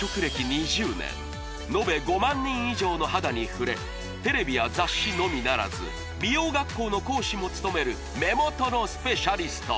２０年のべ５万人以上の肌に触れテレビや雑誌のみならず美容学校の講師も務める目元のスペシャリスト